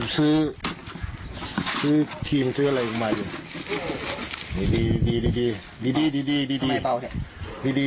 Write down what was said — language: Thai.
ซื้อซื้อชิมเที่ยวอะไรอีกมาดูดีดีดีดีค่ะ